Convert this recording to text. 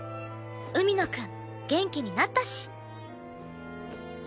海野くん元気になったし。